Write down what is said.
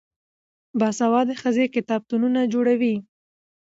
باسواده ښځې کتابتونونه جوړوي.